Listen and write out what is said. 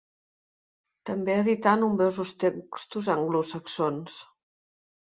També edità nombrosos textos anglosaxons.